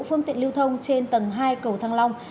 phương tiện lưu thông trên tầng hai cầu thăng long